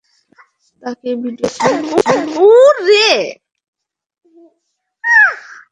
তাকে ভিডিও-কল করতে বলুন!